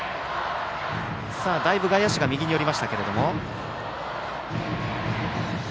だいぶ外野手が右に寄りましたが。